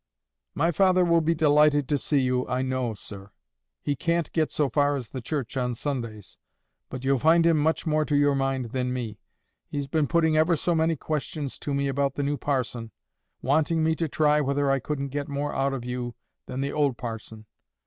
"My father will be delighted to see you, I know, sir. He can't get so far as the church on Sundays; but you'll find him much more to your mind than me. He's been putting ever so many questions to me about the new parson, wanting me to try whether I couldn't get more out of you than the old parson.